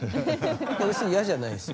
いや別に嫌じゃないですよ。